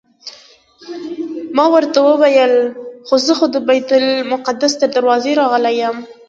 ما ورته وویل خو زه د بیت المقدس تر دروازې راغلی یم.